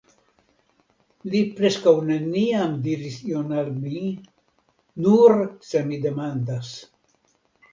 Li preskaŭ neniam diras ion al mi ., nur se mi demandas.